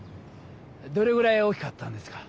どれぐらい大きかったんですか？